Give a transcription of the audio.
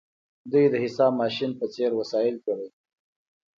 دوی د حساب ماشین په څیر وسایل جوړوي.